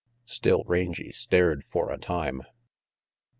Still Rangy stared for a time.